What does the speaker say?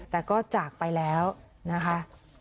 แต่ก็จากไปแล้วนะคะ